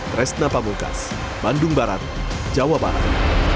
tresna pamungkas bandung barat jawa barat